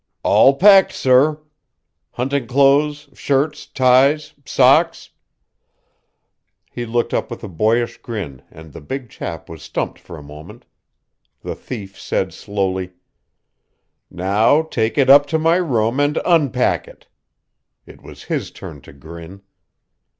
"All packed, sorr. Hunting clothes, shirts, ties, socks" He looked up with a boyish grin and the big chap was stumped for a moment. The thief said slowly: "Now take it up to my room and unpack it." It was his turn to grin.